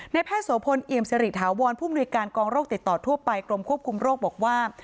แพทย์โสพลเอี่ยมสิริถาวรผู้มนุยการกองโรคติดต่อทั่วไปกรมควบคุมโรคบอกว่า